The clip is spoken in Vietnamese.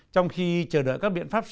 trong khi chờ đợi các biện pháp sử dụng